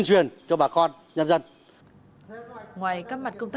thì thời gian tới